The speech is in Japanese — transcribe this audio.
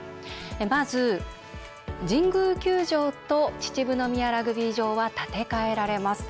まず、神宮球場と秩父宮ラグビー場は建て替えられます。